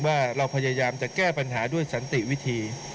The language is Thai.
ว่าเราพยายามจะแก้ปัญหาด้วยสันติวิธี